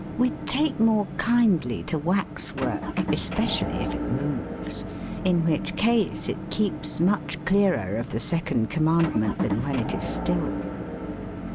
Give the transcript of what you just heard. We take more kindly to wax work, especially if it moves; in which case it keeps much clearer of the second commandment than when it is still.